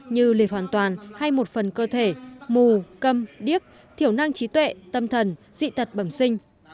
như liệt hoàn toàn hay một phần cơ thể mù cầm điếc thiểu năng trí tuệ tâm thần dị tật bẩm sinh